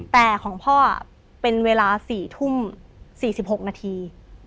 แต่ของพ่อเป็นเวลา๔ทุ่ม๔๖นาที